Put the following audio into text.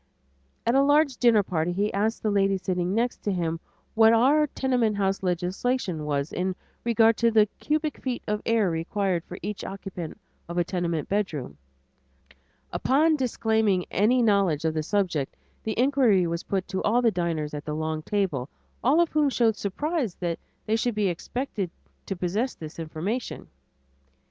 At a large dinner party he asked the lady sitting next to him what our tenement house legislation was in regard to the cubic feet of air required for each occupant of a tenement bedroom; upon her disclaiming any knowledge of the subject, the inquiry was put to all the diners at the long table, all of whom showed surprise that they should be expected to possess this information.